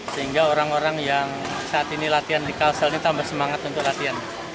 sehingga orang orang yang saat ini latihan di kalsel ini tambah semangat untuk latihan